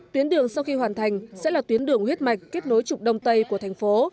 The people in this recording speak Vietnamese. tuyến đường sau khi hoàn thành sẽ là tuyến đường huyết mạch kết nối trục đông tây của thành phố